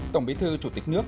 tổng bí thư chủ tịch nước